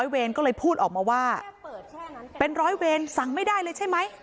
เวรก็เลยพูดออกมาว่าเป็นร้อยเวรสั่งไม่ได้เลยใช่ไหม